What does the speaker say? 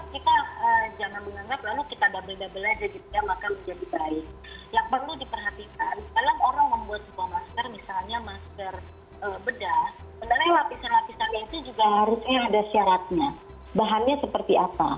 kita jangan menganggap lalu kita double double aja gitu ya maka menjadi baik yang perlu diperhatikan dalam orang membuat sebuah masker misalnya masker bedah sebenarnya lapisan lapisannya itu juga harusnya ada syaratnya bahannya seperti apa